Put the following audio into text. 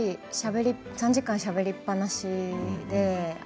３時間しゃべりっぱなしで。